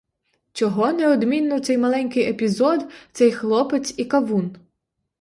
Чого неодмінно цей маленький епізод, цей хлопець і кавун?